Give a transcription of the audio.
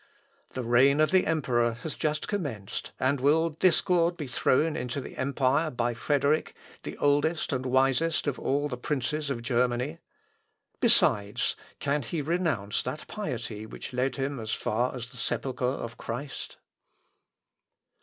The reign of the emperor has just commenced, and will discord be thrown into the empire by Frederick, the oldest and the wisest of all the princes of Germany? Besides, can he renounce that piety which led him as far as the sepulchre of Christ?...